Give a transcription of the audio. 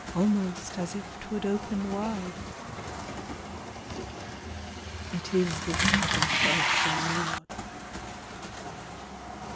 Almost as if 'twould open wide — It is the Sabbath of the Lord.